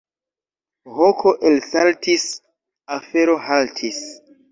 Hoko elsaltis, afero haltis.